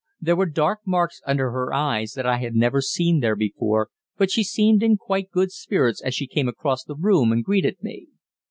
There were dark marks under her eyes that I had never seen there before, but she seemed in quite good spirits as she came across the room and greeted me.